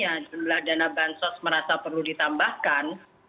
ya adalah dana bansos merasa perlu ditambahkan